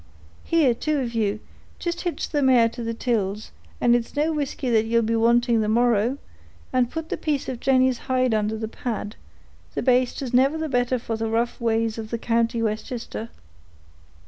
Here, two of you, jist hitch the mare to the tills, and it's no whisky that ye'll be wanting the morrow; and put the piece of Jenny's hide under the pad; the baste is never the better for the rough ways of the county Westchester."